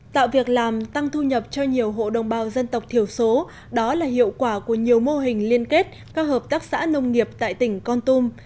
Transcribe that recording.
tạo việc làm tăng thu nhập cho nhiều hộ đồng bào dân tộc thiểu số đó là hiệu quả của nhiều mô hình liên kết các hợp tác xã nông nghiệp tại tỉnh con tum